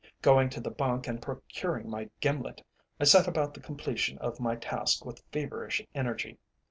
Going to the bunk and procuring my gimlet, I set about the completion of my task with feverish energy.